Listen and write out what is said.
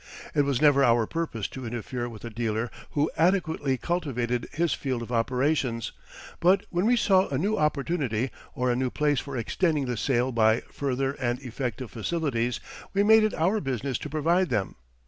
It was never our purpose to interfere with a dealer who adequately cultivated his field of operations, but when we saw a new opportunity or a new place for extending the sale by further and effective facilities, we made it our business to provide them.